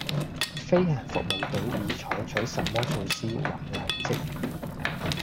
飛行服務隊已採取甚麼措施挽留職員